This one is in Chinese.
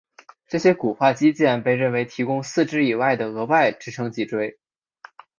这些骨化肌腱被认为提供四肢以外的额外支撑脊椎。